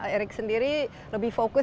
erik sendiri lebih fokus